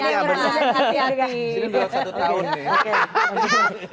ini lewat satu tahun nih